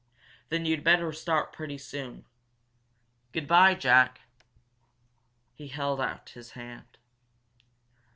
"Then you'd better start pretty soon. Good bye, Jack!" He held out his hand.